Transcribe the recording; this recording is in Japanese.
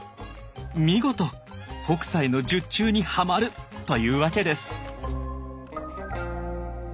見事北斎の術中にはまるというわけです。